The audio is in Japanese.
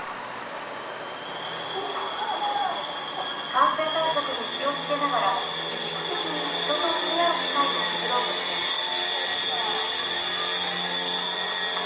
感染対策に気をつけながら、意識的に人と触れ合う機会を作ろうとしています。